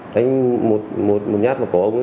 đánh một nhát vào cổ ông ấy